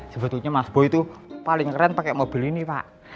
sebetulnya mas bo itu paling keren pakai mobil ini pak